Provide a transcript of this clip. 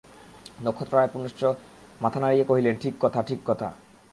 নক্ষত্ররায় পুনশ্চ মাথা নাড়িয়া কহিলেন, ঠিক কথা, ঠিক কথা।